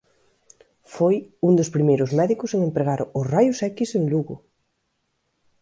Foi un dos primeiros médicos en empregar os raios X en Lugo.